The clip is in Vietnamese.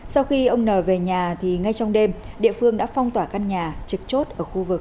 sau khi ông n về nhà thì ngay trong đêm địa phương đã phong tỏa căn nhà trực chốt ở khu vực